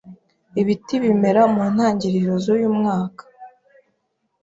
Ibiti bimera mu ntangiriro zuyu mwaka.